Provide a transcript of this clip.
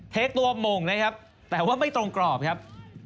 ตัวหม่งนะครับแต่ว่าไม่ตรงกรอบครับ